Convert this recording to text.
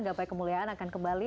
gapai kemuliaan akan kembali